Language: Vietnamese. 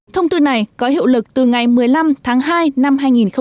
thông tư này có hiệu lực từ ngày một mươi năm tháng hai năm hai nghìn một mươi chín